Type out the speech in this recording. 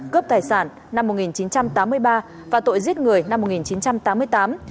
cướp tài sản năm một nghìn chín trăm tám mươi ba và tội giết người năm một nghìn chín trăm tám mươi tám